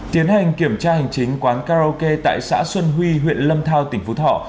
tiến hành kiểm tra hành chính quán karaoke tại xã xuân huy huyện lâm thao tỉnh phú thọ